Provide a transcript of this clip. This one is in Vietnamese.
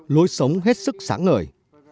lối sống hết sức sáng ngời